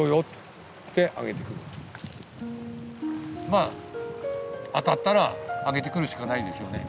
まあ当たったら上げてくるしかないでしょうね。